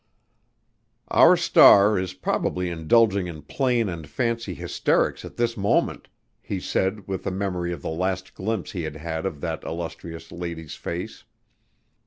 "Our star is probably indulging in plain and fancy hysterics at this moment," he said with a memory of the last glimpse he had had of that illustrious lady's face.